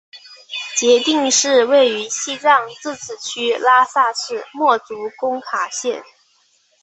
杰定寺位于西藏自治区拉萨市墨竹工卡县。